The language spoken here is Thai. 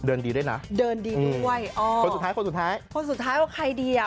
ดีด้วยนะเดินดีด้วยอ๋อคนสุดท้ายคนสุดท้ายคนสุดท้ายว่าใครดีอ่ะ